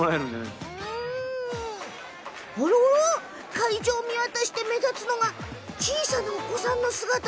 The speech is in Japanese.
会場を見渡すと目立つのが小さなお子さんの姿。